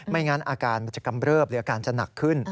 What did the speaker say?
งั้นอาการมันจะกำเริบหรืออาการจะหนักขึ้น